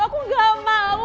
aku gak mau